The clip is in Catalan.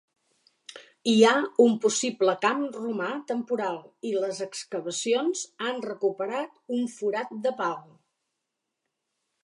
Hi ha un possible camp romà temporal i les excavacions han recuperat un forat de pal.